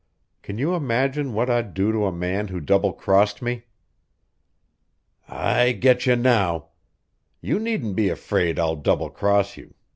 Can you imagine what I'd do to a man who double crossed me?" "I getcha now! You needn't be afraid I'll double cross you.